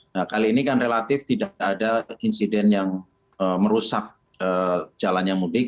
nah kali ini kan relatif tidak ada insiden yang merusak jalannya mudik